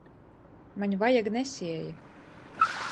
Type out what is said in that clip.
Maņ vajag nesieja!